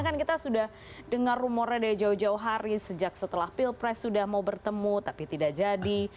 kan kita sudah dengar rumornya dari jauh jauh hari sejak setelah pilpres sudah mau bertemu tapi tidak jadi